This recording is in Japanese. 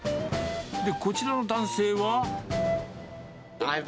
で、こちらの男性は？